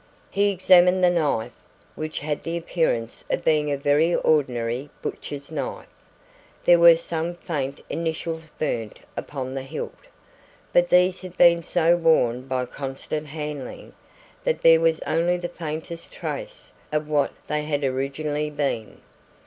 He examined the knife, which had the appearance of being a very ordinary butcher's knife. There were some faint initials burnt upon the hilt, but these had been so worn by constant handling that there was only the faintest trace of what they had originally been.